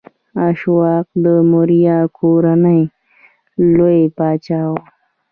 اشوکا د موریا کورنۍ لوی پاچا و.